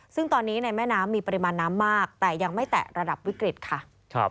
ซึ่งตอนนี้ในแม่น้ำมีปริมาณน้ำมากแต่ยังไม่แตะระดับวิกฤตค่ะ